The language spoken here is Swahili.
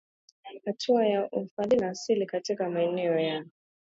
hatua za uhifadhi wa asili katika maeneo ya